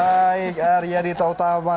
baik arya dita utama